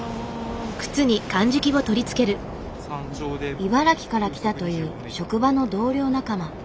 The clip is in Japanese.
茨城から来たという職場の同僚仲間。